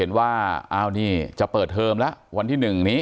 อยากให้สังคมรับรู้ด้วย